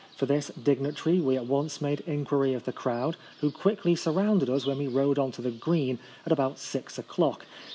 For this dignitary we at once made inquiry of the crowd, who quickly surrounded us when we rode on to the " green " at about six o'clock.